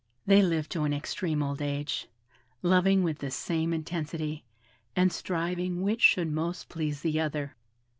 They lived to an extreme old age; loving with the same intensity, and striving which should most please the other.